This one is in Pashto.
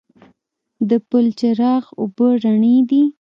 د بلچراغ اوبه رڼې دي